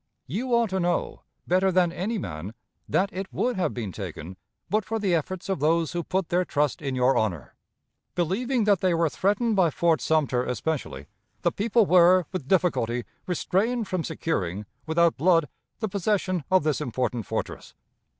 You ought to know, better than any man, that it would have been taken, but for the efforts of those who put their trust in your honor. Believing that they were threatened by Fort Sumter especially, the people were, with difficulty, restrained from securing, without blood, the possession of this important fortress.